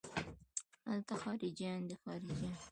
الته خارجيان دي خارجيان.